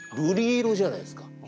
瑠璃色じゃないですか。